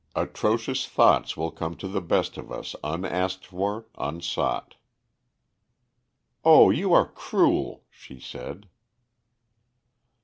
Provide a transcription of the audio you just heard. Atrocious thoughts will come to the best of us unasked for, unsought. "Oh, you are cruel!" she said.